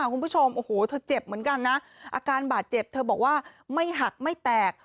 คุณผู้ชมโอ้โหเธอเจ็บเหมือนกันนะอาการบาดเจ็บเธอบอกว่าไม่หักไม่แตก